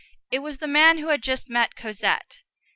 It was the man who had just met Cosette.